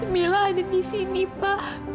bila ada disini pa